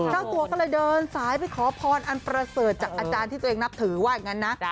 เจ้าตัวก็เลยเดินสายไปขอพรอันประเสริฐจากอาจารย์ที่ตัวเองนับถือว่าอย่างนั้นนะ